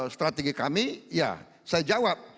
strategi kami ya saya jawab